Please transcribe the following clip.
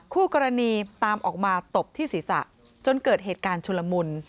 คู่กรณีตามออกมาตบที่ศีรษะจนเกิดเหตุการณ์ชุลมุน